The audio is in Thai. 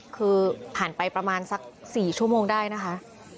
คือผ่านไปประมาณสัก๔ชั่วโมงได้นะคะ